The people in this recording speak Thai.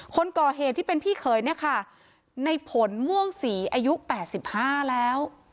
คนก่อเหตุที่เป็นพี่เคยเนี้ยค่ะในผลม่วงสีอายุแปดสิบห้าแล้ว